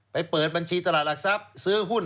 เปิดบัญชีตลาดหลักทรัพย์ซื้อหุ้น